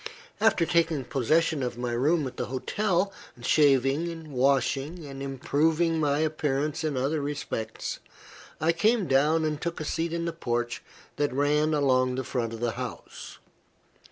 After taking possession of my room at the hotel; shaving, washing, and improving my appearance in other respects, I came down and took a seat in the porch that ran along the front of the house.